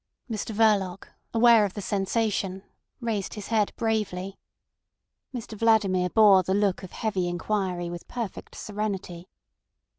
Mr Verloc, aware of the sensation, raised his head bravely. Mr Vladimir bore the look of heavy inquiry with perfect serenity.